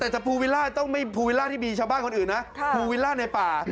สะพูวิลล่าที่มีในชาวบ้านคนอื่นนะพูวิลล่าในป่า